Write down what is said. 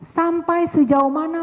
sampai sejauh mana